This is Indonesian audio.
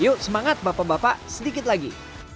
yuk semangat bapak bapak sedikit lagi